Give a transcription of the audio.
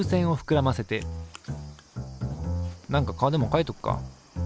何か顔でもかいとくか。